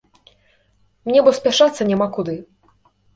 Мне бо спяшацца няма куды.